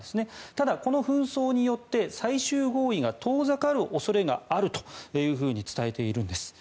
ただ、この紛争によって最終合意が遠ざかる恐れがあるというふうに伝えているんです。